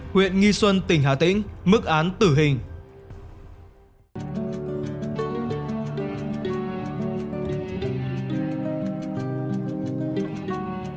huyện nghi xuân tỉnh hà tĩnh mức án tử hình